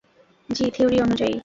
জ্বি, থিউরী অনুযায়ী।